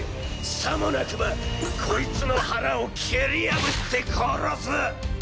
さもなくばコイツの腹を蹴り破って殺す！